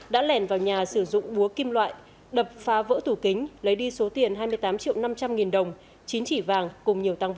đã lèn vào nhà sử dụng búa kim loại đập phá vỡ tủ kính lấy đi số tiền hai mươi tám triệu năm trăm linh nghìn đồng